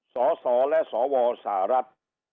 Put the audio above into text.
ส่อส่อและส่อวอสหรัฐ